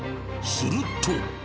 すると。